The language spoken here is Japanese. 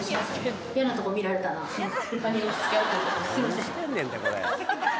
すいません